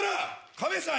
カメさん